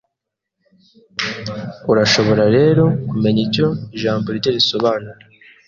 Urashobora rero kumenya icyo ijambo rye risobanura